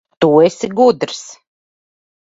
Tu esi gudrs.